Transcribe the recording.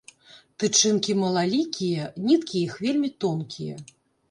Тычынкі малалікія, ніткі іх вельмі тонкія.